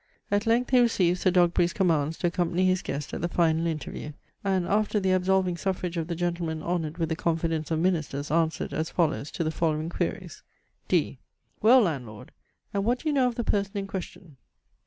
At length he received Sir Dogberry's commands to accompany his guest at the final interview; and, after the absolving suffrage of the gentleman honoured with the confidence of Ministers, answered, as follows, to the following queries: D. "Well, landlord! and what do you know of the person in question?